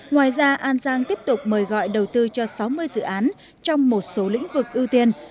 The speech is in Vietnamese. ngoài ra an giang tiếp tục mời gọi đầu tư cho sáu mươi dự án trong một số lĩnh vực ưu tiên